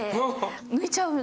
抜いちゃうの？